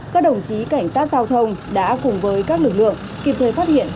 các đồng chí cảnh sát giao thông đã cùng với các lực lượng kịp thời phát hiện